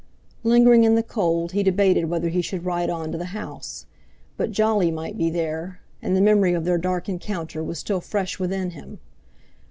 Lingering in the cold, he debated whether he should ride on to the house: But Jolly might be there, and the memory of their dark encounter was still fresh within him.